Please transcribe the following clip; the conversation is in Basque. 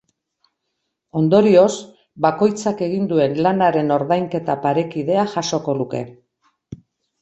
Ondorioz, bakoitzak egin duen lanaren ordainketa parekidea jasoko luke.